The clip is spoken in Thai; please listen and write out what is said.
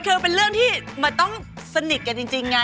คือเป็นเรื่องที่มันต้องสนิทกันจริงไง